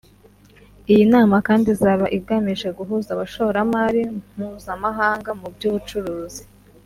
Iyi nama kandi izaba igamije guhuza abashoramari mpuzamahanga mu by’ubucuruzi